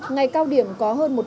ngày cao điểm có hơn